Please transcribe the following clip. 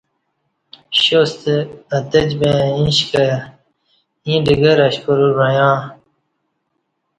شاستہ اتجبں ایݩشکہ ییں ڈگر اشپرو وعیا ں